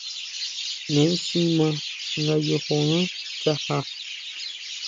Neé si ma nga yojoná nchajá.